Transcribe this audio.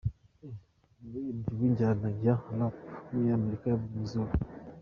I, umuririmbyi w’injyana ya Rap w’umunyamerika yabonye izuba.